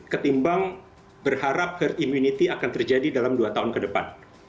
ketimbang berharap herd immunity akan terjadi dalam dua tahun ke depan